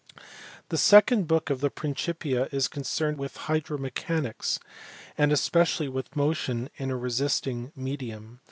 The second book of the Principia is concerned with hydromechanics, and especially with motion in a resisting medium.